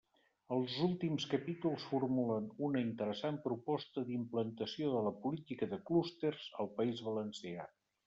Els últims capítols formulen una interessant proposta d'implantació de la política de clústers al País Valencià.